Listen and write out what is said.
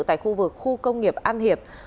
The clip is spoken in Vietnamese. tại khu vực khu công nghiệp an hiệp